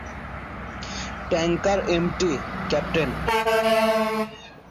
Tanker MT "captain."